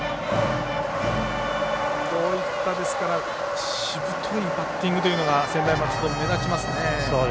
こういったしぶといバッティングというのが専大松戸、目立ちますね。